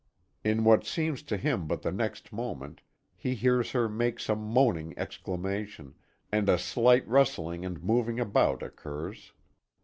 In what seems to him but the next moment, he hears her make some moaning exclamation, and a slight rustling and moving about occurs.